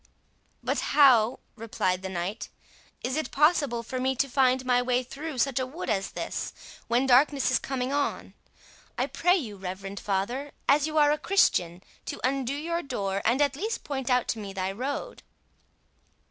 "But how," replied the knight, "is it possible for me to find my way through such a wood as this, when darkness is coming on? I pray you, reverend father as you are a Christian, to undo your door, and at least point out to me my road."